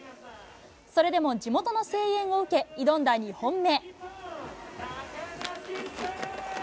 それでも地元の声援を受け、挑んだ２本目。